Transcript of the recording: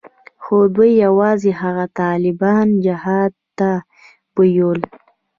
خو دوى يوازې هغه طالبان جهاد ته بيول.